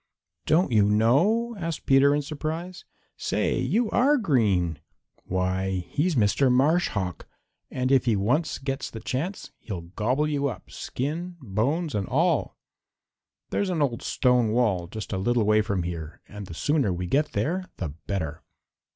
"Don't you know?" asked Peter in surprise. "Say, you are green! Why, he's Mr. Marsh Hawk, and if he once gets the chance he'll gobble you up, skin, bones and all. There's an old stone wall just a little way from here, and the sooner we get there the better!"